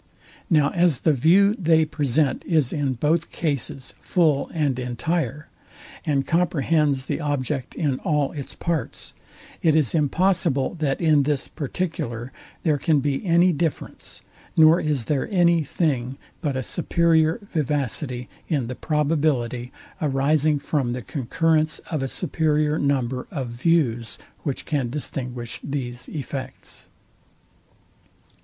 Now as the view they present is in both cases full and entire, and comprehends the object in all its parts, it is impossible that in this particular there can be any difference; nor is there any thing but a superior vivacity in the probability, arising from the concurrence of a superior number of views, which can distinguish these effects.